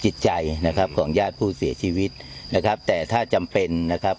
จิตใจนะครับของญาติผู้เสียชีวิตนะครับแต่ถ้าจำเป็นนะครับ